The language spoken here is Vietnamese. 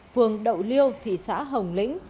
phường đậu liêu thị xã hồng lĩnh